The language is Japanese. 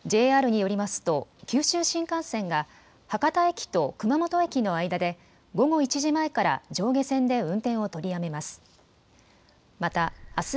ＪＲによりますと、九州新幹線が、博多駅と熊本駅の間で、午後１時前から上下線で運転を取りやめます。